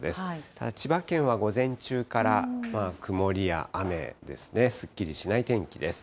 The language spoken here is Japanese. ただ千葉県は午前中から曇りや雨ですね、すっきりしない天気です。